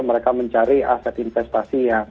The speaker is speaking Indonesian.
mereka mencari aset investasi yang